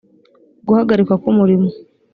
guhagarikwa ku murimo